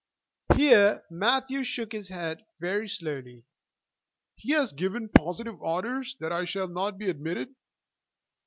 Here Matthew shook his head very slowly. "He has given positive orders that I shall not be admitted?"